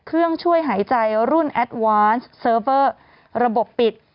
เครื่องช่วยหายใจรุ่นแอดวานซ์เซิร์ฟเวอร์ระบบปิด